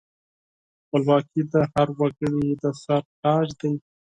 خپلواکي د هر وګړي د سر تاج دی.